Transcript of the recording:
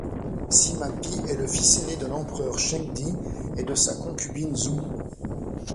Sima Pi est le fils aîné de l'empereur Chengdi et de sa concubine Zhou.